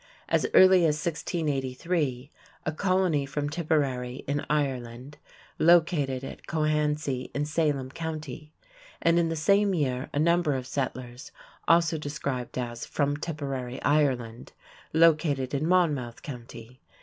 As early as 1683 "a colony from Tipperary in Ireland" located at Cohansey in Salem County, and in the same year a number of settlers, also described as "from Tipperary, Ireland," located in Monmouth County.